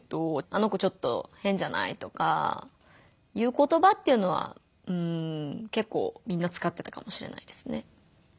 「あの子ちょっと変じゃない？」とかいう言葉っていうのはうんけっこうみんなつかってたかもしれないですね。